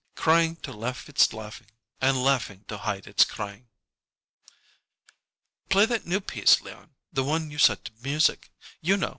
Crying to hide its laughing and laughing to hide its crying." "Play that new piece, Leon the one you set to music. You know.